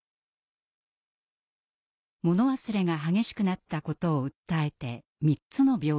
物忘れが激しくなったことを訴えて３つの病院を受診。